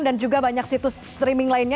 dan juga banyak situs streaming lainnya